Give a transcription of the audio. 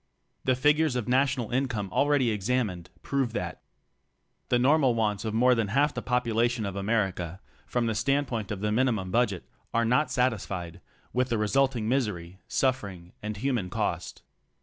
The figures of national income already examined prove that. The normal wants of more than half the popula tion of America — from the standpoint of the minimum bud get — are not satisfied, with the resulting misery, suffering and human cost.